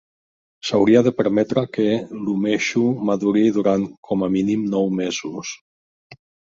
S'hauria de permetre que l'umeshu maduri durant com a mínim nou mesos.